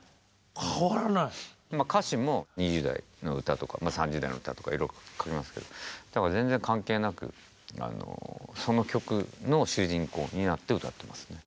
歌詞も２０代の歌とか３０代の歌とかいろいろ書きますけど全然関係なくその曲の主人公になって歌ってますね。